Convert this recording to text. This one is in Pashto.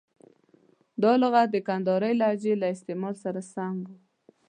دا لغت د کندهارۍ لهجې له استعمال سره سم و.